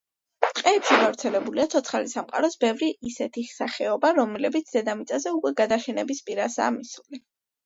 ტყეებში გავრცელებულია ცოცხალი სამყაროს ბევრი ისეთი სახეობა, რომლებიც დედამიწაზე უკვე გადაშენების პირასაა მისული.